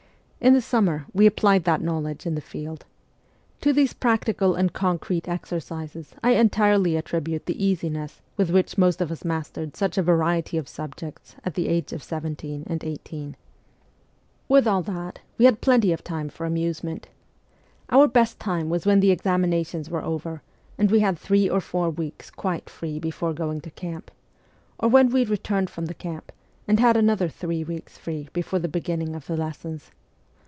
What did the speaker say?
In the summer we applied that knowledge in the field. To these practical and concrete exercises I entirely attribute the easiness with which most of us mastered such a variety of subjects at the age of seventeen and eighteen. 138 MEMOIRS OF A REVOLUTIONIST With all that, we had plenty of time for amuse ment. Our best time was when the examinations were over, and we had three or four weeks quite free before going to camp ; or when we returned from the camp, and had another three weeks free before the beginning of the lessons.